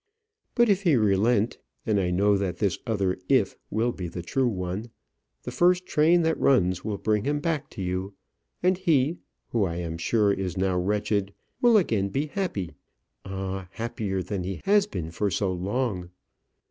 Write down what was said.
But if he relent and I know that this other "if" will be the true one the first train that runs will bring him back to you; and he, who I am sure is now wretched, will again be happy; ah! happier than he has been for so long.